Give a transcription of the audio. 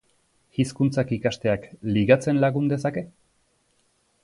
Hizkuntzak ikasteak ligatzen lagun dezake?